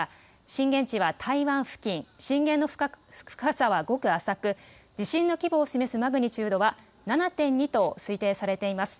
震源地は台湾付近、震源の深さはごく浅く地震の規模を示すマグニチュードは７．２と推定されています。